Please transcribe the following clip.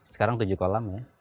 sekarang tujuh kolam ya